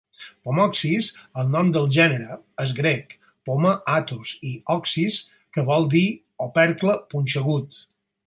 "Pomoxis", el nom del gènere, és grec: "poma, -atos" i "oxys", que vol dir opercle punxegut.